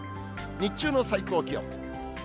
日中の最高気温。